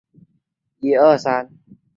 小胸鳍蛇鲻为狗母鱼科蛇鲻属的鱼类。